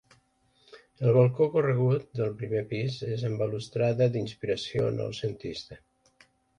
El balcó corregut del primer pis és amb balustrada d'inspiració Noucentista.